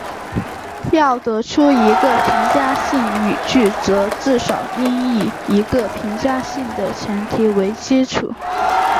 要得出一个评价性语句则至少应以一个评价性的前提为基础。